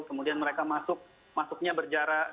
kemudian mereka masuknya berjarak ke tempat lain